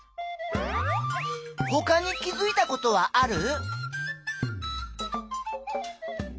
ほかに気づいたことはある？